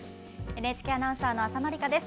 ＮＨＫアナウンサーの浅野里香です。